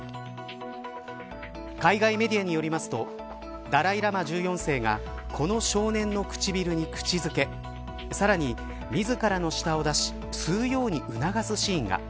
海外メディアによりますとダライ・ラマ１４世がこの少年の唇に口づけさらに自らの舌を出し吸うように促すシーンが。